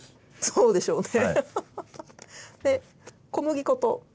そうでしょうね。